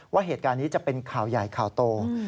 ว่าเหตุการณ์นี้จะเป็นข่าวใหญ่ข่าวโต